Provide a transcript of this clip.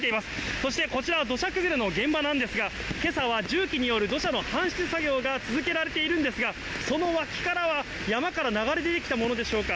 そしてこちら、土砂崩れの現場なんですが、けさは重機による土砂の搬出作業が続けられているんですが、その脇からは山から流れ出てきたものでしょうか。